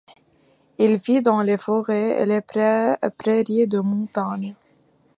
Il vit dans les forêts et les prairies de montagne.